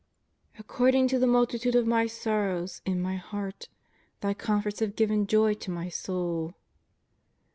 377 "According to the multitude of mj sorrows in my heart, thy comforts have given joy to my soul."